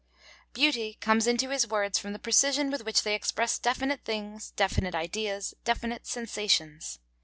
Beauty comes into his words from the precision with which they express definite things, definite ideas, definite sensations.